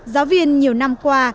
giáo viên nhiều năm qua